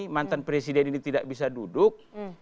mantan presiden ini tidak bisa duduk